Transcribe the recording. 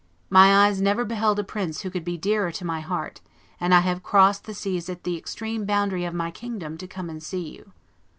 My eyes never beheld a prince who could be dearer to my heart, and I have crossed the seas at the extreme boundary of my kingdom to come and see you."